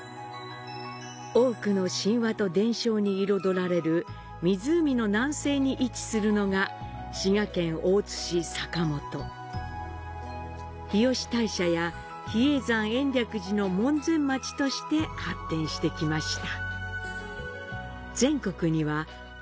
多くの神話と伝承に彩られる湖の南西に位置するのが日吉大社や比叡山延暦寺の門前町として発展してきました。